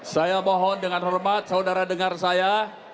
saya mohon dengan hormat saudara dengar saya